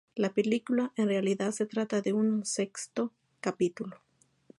La película, en realidad, se trata de un sexto capítulo.